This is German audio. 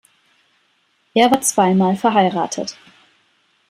Er war zwei Mal verheiratet.